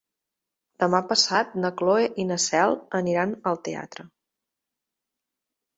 Demà passat na Cloè i na Cel aniran al teatre.